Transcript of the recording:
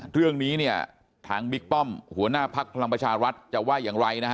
เรื่องนี้เนี่ยทางบิ๊กป้อมหัวหน้าภักดิ์พลังประชารัฐจะว่าอย่างไรนะฮะ